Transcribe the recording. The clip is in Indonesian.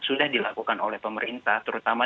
sudah dilakukan oleh pemerintah terutama